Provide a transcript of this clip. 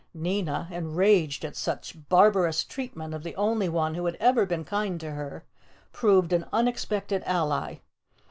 Nina, enraged at such barbarous treatment of the only one who had ever been kind to her, proved an unexpected ally.